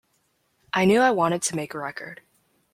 I knew I wanted to make a record.